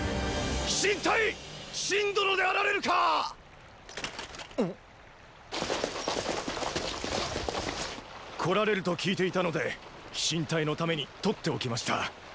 飛信隊っ信殿であられるかァ⁉？来られると聞いていたので飛信隊のためにとっておきました。